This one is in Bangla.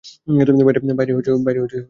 বাইরে গুলি চলেছে!